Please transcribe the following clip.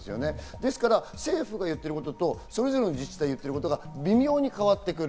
政府が言ってることと、それぞれの自治体が言ってることが微妙に変わってくる。